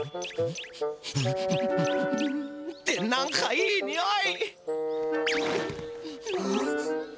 ってなんかいいにおい！